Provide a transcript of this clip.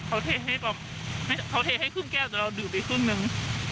เขาเทให้คร่วงที่คร่วงแก้วเราดื่มไปครึ่งนึง